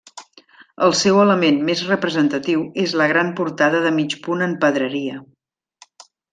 El seu element més representatiu és la gran portada de mig punt en pedreria.